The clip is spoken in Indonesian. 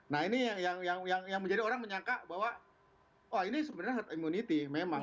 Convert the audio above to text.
nah ini yang menjadi orang menyangka bahwa oh ini sebenarnya herd immunity memang